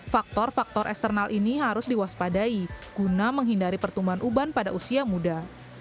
faktor faktor eksternal ini harus diwaspadai guna menghindari pertumbuhan uban pada usia muda